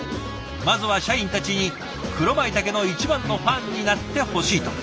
「まずは社員たちに黒まいたけの一番のファンになってほしい」と。